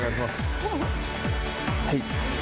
はい。